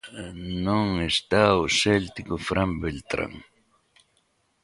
Non está o céltico Fran Beltrán.